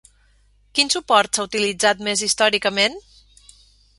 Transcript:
Quin suport s'ha utilitzat més històricament?